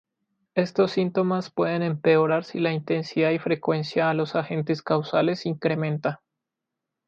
Estos síntomas pueden empeorar si la intensidad y frecuencia a los agentes causales incrementa.